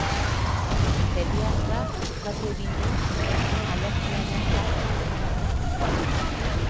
Pediatrak ukatu egin du umeak alergiaren bat zuenik.